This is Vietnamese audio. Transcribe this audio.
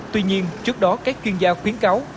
tuy nhiên trước đó các chuyên gia khuyến cáo